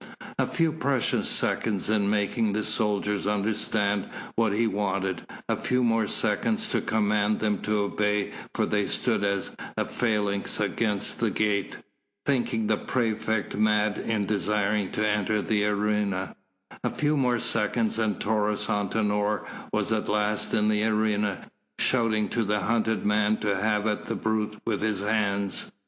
A few precious seconds in making the soldiers understand what he wanted, a few more seconds to command them to obey for they stood as a phalanx against the gate, thinking the praefect mad in desiring to enter the arena a few more seconds and Taurus Antinor was at last in the arena, shouting to the hunted man to have at the brute with his hands.